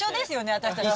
私たちと。